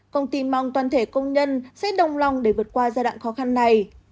công ty mong toàn thể công nhân sẽ đồng lòng để vượt qua giai đoạn khó khăn này